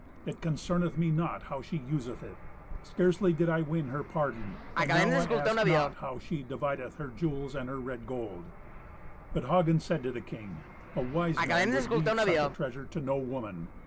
It concerneth me not how she useth it. Scarcely did I win her pardon. And now I ask not how she divideth her jewels and her red gold." But Hagen said to the king, "A wise man would leave such a treasure to no woman.